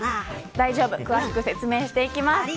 大丈夫、詳しく説明していきます。